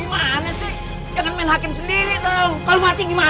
gimana sih jangan main hakim sendiri dong kalau mati gimana